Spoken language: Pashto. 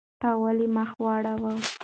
تا ولې مخ واړاوه؟